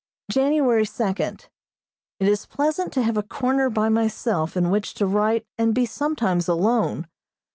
January second: It is pleasant to have a corner by myself in which to write and be sometimes alone.